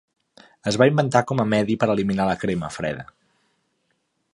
Es va inventar com a medi per eliminar la crema freda.